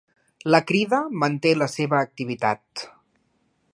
La Crida manté la seva activitat